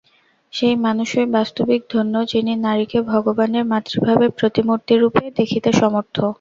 সেই মানুষই বাস্তবিক ধন্য, যিনি নারীকে ভগবানের মাতৃভাবের প্রতিমূর্তিরূপে দেখিতে সমর্থ।